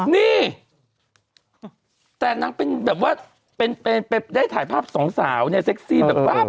นี่แต่นางเป็นแบบว่าเป็นได้ถ่ายภาพสองสาวเนี่ยเซ็กซี่แบบว่า